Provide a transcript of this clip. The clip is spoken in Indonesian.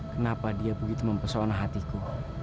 kenapa dia begitu mempesona hatiku